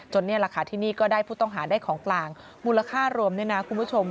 นี่แหละค่ะที่นี่ก็ได้ผู้ต้องหาได้ของกลางมูลค่ารวมด้วยนะคุณผู้ชม